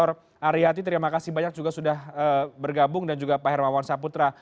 terima kasih prof ariyati terima kasih banyak sudah bergabung dan juga pak hermawan saputra